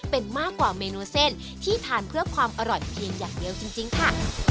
เป็นมากกว่าเมนูเส้นที่ทานเพื่อความอร่อยเพียงอย่างเดียวจริงค่ะ